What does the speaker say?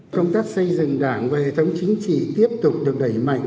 công tác xây dựng đảng và hệ thống chính trị tiếp tục được đẩy mạnh